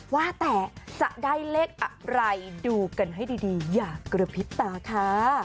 ว่าแต่จะได้เลขอะไรดูกันให้ดีอย่ากระพริบตาค่ะ